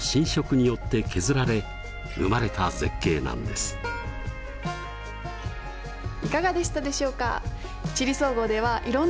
ここはいかがでしたでしょうか？